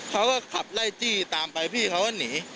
เขาก็ขับไล่จี้ตามไปพี่เขาก็หนี